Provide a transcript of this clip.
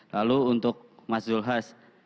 lalu untuk mas zulhas